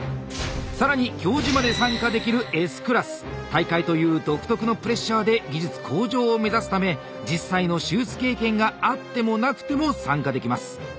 大会という独特のプレッシャーで技術向上を目指すため実際の手術経験があってもなくても参加できます。